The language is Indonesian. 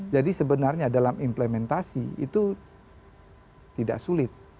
jadi sebenarnya dalam implementasi itu tidak sulit